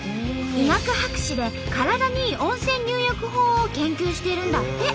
医学博士で体にいい温泉入浴法を研究してるんだって。